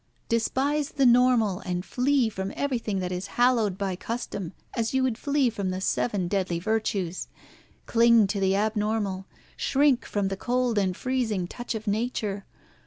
Despise the normal, and flee from everything that is hallowed by custom, as you would flee from the seven deadly virtues. Cling to the abnormal. Shrink from the cold and freezing touch of Nature.